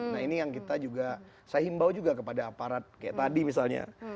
nah ini yang kita juga saya himbau juga kepada aparat kayak tadi misalnya